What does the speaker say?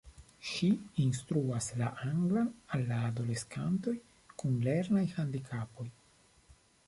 Ŝi instruas la anglan al adoleskantoj kun lernaj handikapoj.